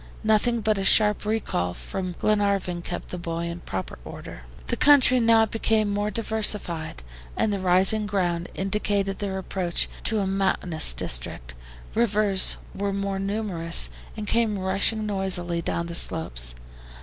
Nothing but a sharp recall from Glenarvan kept the boy in proper order. The country now became more diversified, and the rising ground indicated their approach to a mountainous district. Rivers were more numerous, and came rushing noisily down the slopes.